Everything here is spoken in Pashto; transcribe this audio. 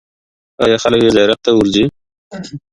آیا خلک یې زیارت ته ورځي؟